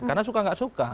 karena suka gak suka